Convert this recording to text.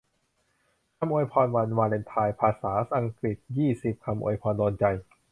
คำอวยพรวันวาเลนไทน์ ภาษาอังกฤษ ยี่สิบ คำอวยพรโดนใจ